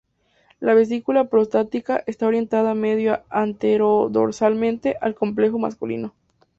La vesícula prostática está orientada medio o antero-dorsalmente al complejo masculino.